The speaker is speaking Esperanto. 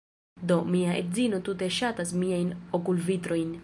Do, mia edzino tute ne ŝatas miajn okulvitrojn